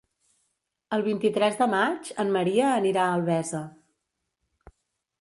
El vint-i-tres de maig en Maria anirà a Albesa.